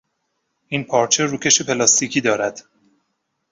این پارچه روکش پلاستیکی دارد.